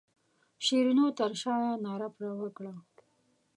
شیرینو تر شایه ناره پر وکړه.